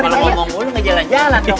kalau ngomong dulu nggak jalan jalan dong